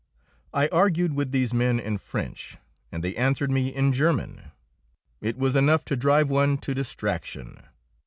I argued with these men in French, and they answered me in German. It was enough to drive one to distraction.